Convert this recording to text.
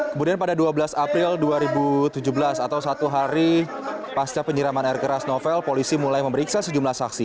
kemudian pada dua belas april dua ribu tujuh belas atau satu hari pasca penyiraman air keras novel polisi mulai memeriksa sejumlah saksi